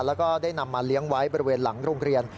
แล้วก็ได้นำมาเลี้ยงไว้บริเวณหลังโรงเรียน